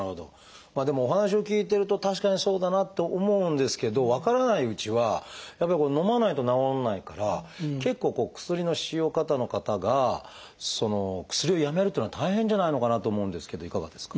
でもお話を聞いてると確かにそうだなと思うんですけど分からないうちはやっぱりのまないと治らないから結構薬の使用過多の方が薬をやめるっていうのは大変じゃないのかなと思うんですけどいかがですか？